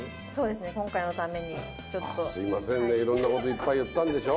すいませんねいろんなこといっぱい言ったんでしょ？